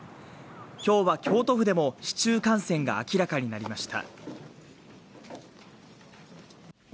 今日は京都府でも市中感染が明らかになりました。